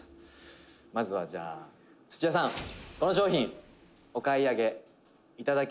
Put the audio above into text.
「まずはじゃあ土屋さん」「この商品お買い上げ頂けますか？」